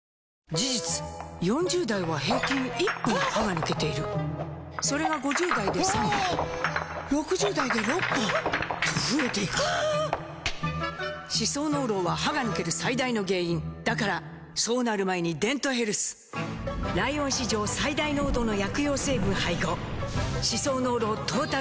事実４０代は平均１本歯が抜けているそれが５０代で３本６０代で６本と増えていく歯槽膿漏は歯が抜ける最大の原因だからそうなる前に「デントヘルス」ライオン史上最大濃度の薬用成分配合歯槽膿漏トータルケア！